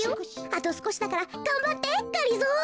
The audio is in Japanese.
あとすこしだからがんばってがりぞー。